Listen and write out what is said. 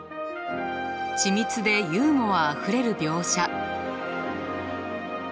緻密でユーモアあふれる描写。